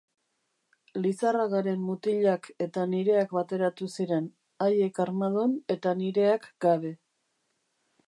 Lizarragaren mutilak eta nireak bateratu ziren, haiek armadun eta nireak gabe.